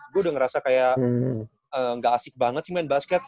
gue udah ngerasa kayak gak asik banget sih main basket